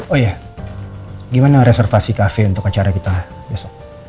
oh ya gimana reservasi kafe untuk acara kita besok